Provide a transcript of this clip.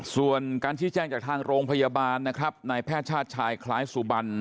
ส่วนการชี้แจ้งจากทางโรงพยาบาลนะครับนายแพทย์ชาติชายคล้ายสุบัน